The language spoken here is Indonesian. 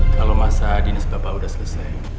kalo masa dinas bapak udah selesai